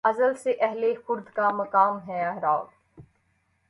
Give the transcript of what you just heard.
ازل سے اہل خرد کا مقام ہے اعراف